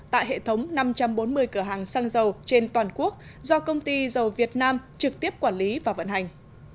tại hệ thống năm trăm bốn mươi cửa hàng xăng dầu trên toàn quốc do công ty dầu việt nam trực tiếp quản lý và vận hành